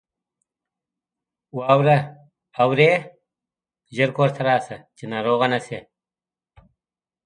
واوره اوري ! ژر کورته راسه ، چې ناروغ نه سې.